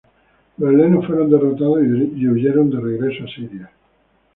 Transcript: Los helenos fueron derrotados y huyeron de regreso a Siria.